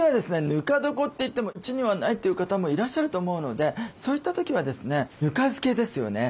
ぬか床といってもうちにはないという方もいらっしゃると思うのでそういった時はですねぬか漬けですよね。